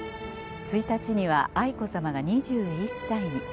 １日には愛子さまが２１歳に。